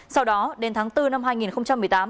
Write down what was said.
sau đó đến tháng bốn năm hai nghìn một mươi tám